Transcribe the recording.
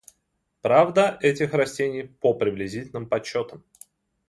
Правда, этих растений, по приблизительным подсчетам